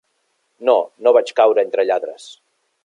No, no vaig caure entre lladres.